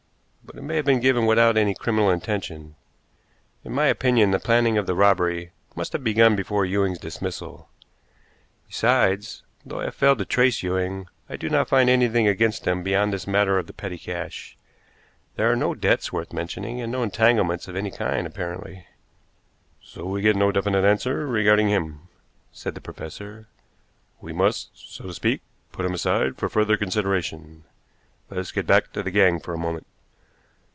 "But it may have been given without any criminal intention. In my opinion the planning of the robbery must have begun before Ewing's dismissal. Besides, though I have failed to trace Ewing, I do not find anything against him beyond this matter of the petty cash. There are no debts worth mentioning, and no entanglements of any kind apparently." "So we get no definite answer regarding him," said the professor; "we must, so to speak, put him aside for further consideration. Let us get back to the gang for a moment.